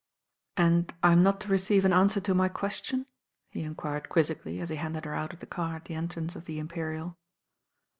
"And I'm not to receive an answer to my ques tion? he enquired quizzicaUy as he handed her out ° uT.ii*^*'' ^* entrance of the Imperial.